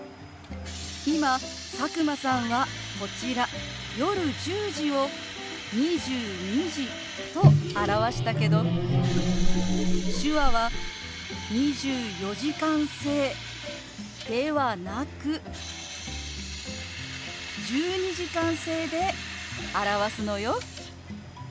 今佐久間さんはこちら「夜１０時」を「２２時」と表したけど手話は２４時間制ではなく１２時間制で表すのよ。